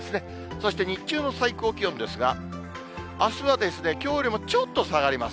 そして、日中最高気温ですが、あすはきょうよりもちょっと下がります。